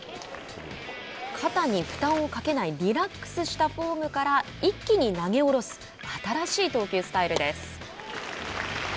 肩に負担をかけないリラックスしたフォームから一気に投げおろす新しい投球スタイルです。